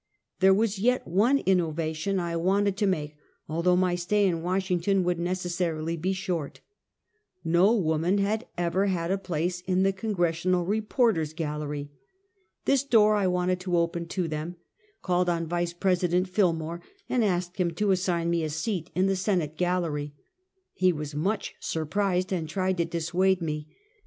There was yet one innovation I wanted to make, al though my stay in "Washington would necessarily be short. IsTo woman had ever had a place in the Congres sional reporter's gallery. This door I wanted to open to them, called on Yice President Fillmore and asked him to assign me a seat in the Senate gallery. He was much surprised and tried to dissuade me.